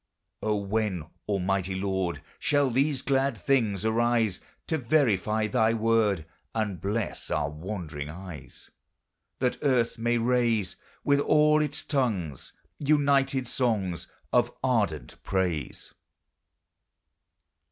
O, when, Almighty Lord! Shall these glad things arise, To verify thy word, And bless our wandering eyes? That earth may raise, With all its tongues, United songs Of ardent praise.